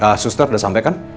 ah suster udah sampe kan